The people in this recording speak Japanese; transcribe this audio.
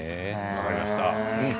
分かりました。